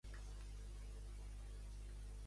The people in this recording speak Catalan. Per quina raó se la va donar Amfiarau?